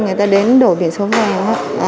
người ta đến đổi biển số vàng